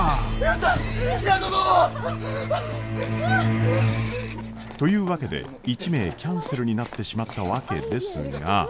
やったぞ！というわけで１名キャンセルになってしまったわけですが。